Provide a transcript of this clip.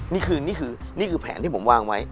นี่คือนี่คือแผนที่ผมวางไว้